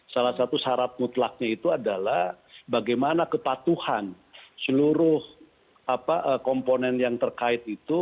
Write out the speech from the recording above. salah satu syarat mutlaknya itu adalah bagaimana kepatuhan seluruh komponen yang terkait itu